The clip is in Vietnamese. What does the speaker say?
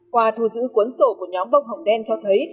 qua thu giữ cuốn sổ của nhóm bông hồng đen cho thấy